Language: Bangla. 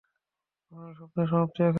আমার স্বপ্নের সমাপ্তি এখানেই।